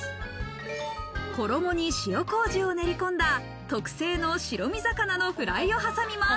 衣に塩麹を練り込んだ特製の白身魚のフライを挟みます。